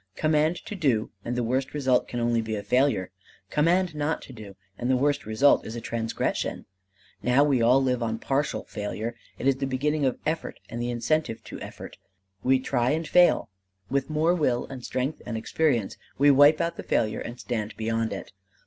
Command to do; and the worst result can only be failure. Command not to do; and the worst result is transgression. Now we all live on partial failure: it is the beginning of effort and the incentive to effort. We try and fail; with more will and strength and experience we wipe out the failure and stand beyond it.